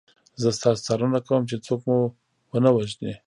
زه ستاسو څارنه کوم چې څوک مو ونه وژني